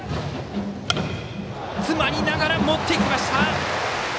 詰まりながら持っていきました。